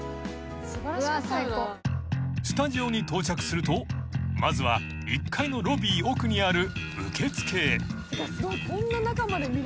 ［スタジオに到着するとまずは１階のロビー奥にある受付へ］